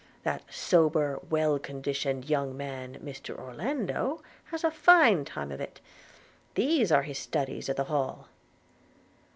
that sober well conditioned young man, Mr Orlando, has a fine time of it – these are his studies at the Hall!'